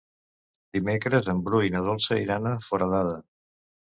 Dimecres en Bru i na Dolça iran a Foradada.